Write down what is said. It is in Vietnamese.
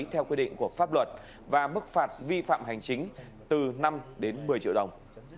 theo quy định của pháp luật và mức phạt vi phạm hành chính từ năm đến một mươi triệu đồng